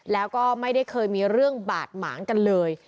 แล้วก็ไม่ได้เคยมีเรื่องบาดหมางกันเลย